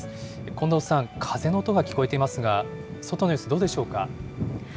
近藤さん、風の音が聞こえていますが、外の様子、どうでしょうか。